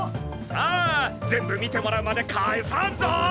さあ全部見てもらうまで帰さんぞ！